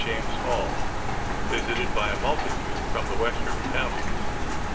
James's Hall, visited by a multitude from the western counties.